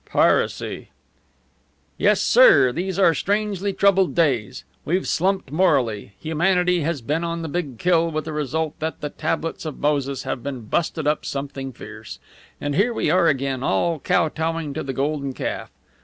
"Piracy!" "Yes, sir. These are strangely troubled days. We've slumped morally. Humanity has been on the big kill, with the result that the tablets of Moses have been busted up something fierce. And here we are again, all kotowing to the Golden Calf!